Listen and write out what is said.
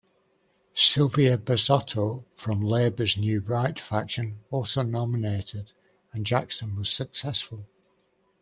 Silvia Barzotto, from Labor's "New Right" faction also nominated, and Jackson was successful.